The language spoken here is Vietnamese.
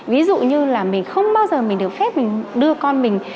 ví dụ như là mình không bao giờ mình được phép mình đưa con mình